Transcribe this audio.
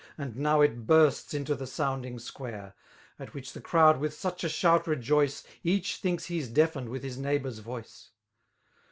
And now it bunsts into the sounding square ; At which the crowd with such a slKmt rejoice. Each thinks he's deafened with his neighboifr's voice.